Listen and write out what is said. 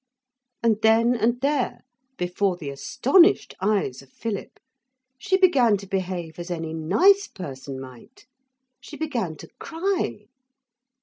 And then and there, before the astonished eyes of Philip, she began to behave as any nice person might she began to cry.